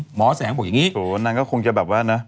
หมอแสงบอกอย่างนี้นางก็คงจะแบบว่านะ